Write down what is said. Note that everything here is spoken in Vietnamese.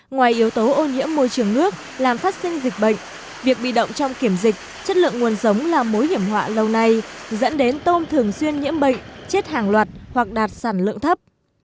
ngoài yếu tố ô nhiễm môi trường nước làm phát sinh dịch bệnh việc bị động trong kiểm dịch chất lượng nguồn giống là mối hiểm họa lâu nay dẫn đến tôm thường xuyên nhiễm bệnh chết hàng loạt hoặc đạt sản lượng thấp